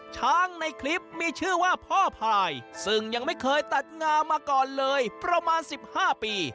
ในคลิปมีชื่อว่าพ่อพายซึ่งยังไม่เคยตัดงามาก่อนเลยประมาณ๑๕ปี